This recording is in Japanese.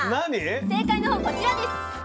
正解の方こちらです。